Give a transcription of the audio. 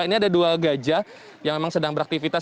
ini ada dua gajah yang memang sedang beraktivitas